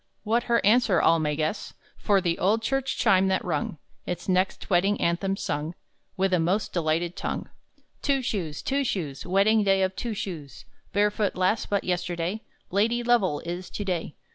What her answer, all may guess, For the old church chime that rung Its next wedding anthem sung With a most delighted tongue: _"Two Shoes, Two Shoes, Wedding day of Two Shoes! Barefoot lass but yesterday, Lady Lovell is to day!